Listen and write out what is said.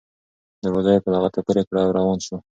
دروازه یې په لغته پورې کړه او روان شو.